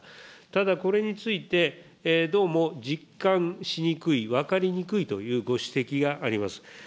ただ、これについてどうも実感しにくい、分かりにくいというご指摘があります。